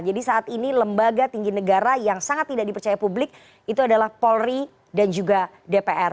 jadi saat ini lembaga tinggi negara yang sangat tidak dipercaya publik itu adalah polri dan juga dpr